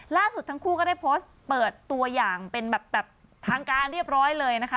ล่าสุดทั้งคู่ก็ได้โพสต์เปิดตัวอย่างเป็นแบบทางการเรียบร้อยเลยนะคะ